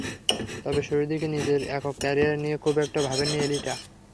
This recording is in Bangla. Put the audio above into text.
তবে শুরুর দিকে নিজের একক ক্যারিয়ার নিয়ে খুব একটা ভাবেননি এলিটা।